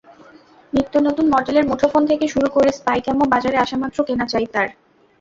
নিত্যনতুন মডেলের মুঠোফোন থেকে শুরু করে স্পাই-ক্যামও বাজারে আসামাত্র কেনা চাই তাঁর।